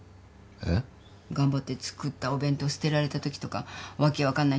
えっ？頑張って作ったお弁当捨てられたときとか訳分かんない